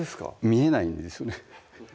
見えないんですよね